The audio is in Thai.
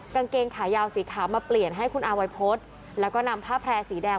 กางเกงขายาวสีขาวมาเปลี่ยนให้คุณอาวัยพฤษแล้วก็นำผ้าแพร่สีแดง